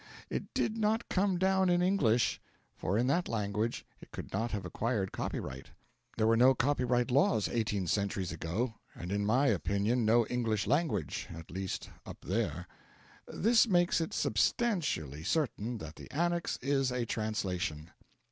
It did not come down in English, for in that language it could not have acquired copyright there were no copyright laws eighteen centuries ago, and in my opinion no English language at least up there. This makes it substantially certain that the Annex is a translation.